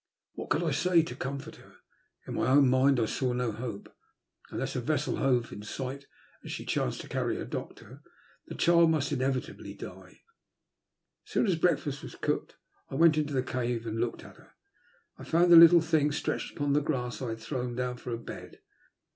What could I say to comfort her ? In my own mind I saw no hope. Unless a vessel hove in sight, and she chanced to carry a doctor, the child must inevitably die. As soon as the breakfast was cooked, I went into , the cave and looked at her. I found the little thing stretched upon the grass I had thrown down for a bed.